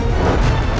ingat itu adikku